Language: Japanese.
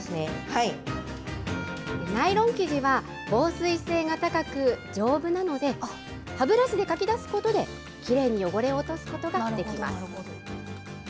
ナイロン生地は、防水性が高く、丈夫なので、歯ブラシでかき出すことで、きれいに汚れを落とすことができます。